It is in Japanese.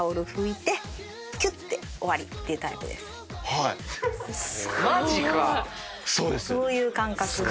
えっ⁉そういう感覚。